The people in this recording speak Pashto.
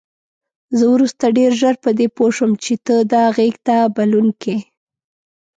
زه وروسته ډېره ژر په دې پوه شوم چې ته دا غېږ ته بلونکی.